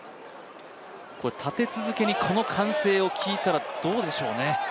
立て続けにこの歓声を聞いたらどうでしょうね？